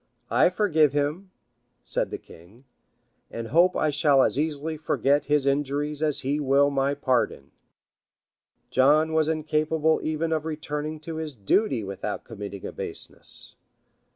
"I forgive him," said the king, "and hope I shall as easily forget his injuries as he will my pardon." John was incapable even of returning to his duty without committing a baseness.